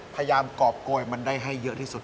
กรอบโกยมันได้ให้เยอะที่สุด